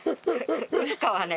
いつかはね